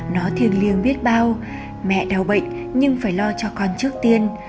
nó thiêng liêng biết bao mẹ đau bệnh nhưng phải lo cho con trước tiên